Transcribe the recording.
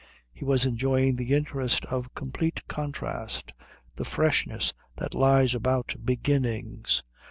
He was enjoying the interest of complete contrast, the freshness that lies about beginnings.